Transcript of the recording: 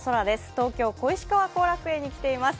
東京・小石川後楽園に来ています。